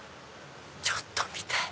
ちょっと見て！